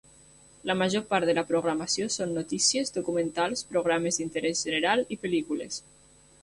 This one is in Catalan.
La major part de la programació són notícies, documentals, programes d'interès general i pel·lícules.